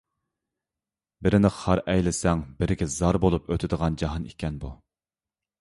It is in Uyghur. بىرىنى خار ئەيلىسەڭ، بىرىگە زار بولۇپ ئۆتىدىغان جاھان ئىكەن بۇ.